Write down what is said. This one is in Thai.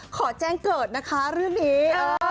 ขอแจ้งเกิดนะคะเรื่องนี้